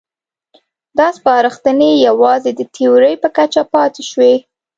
دا سپارښتنې یوازې د تیورۍ په کچه پاتې شوې.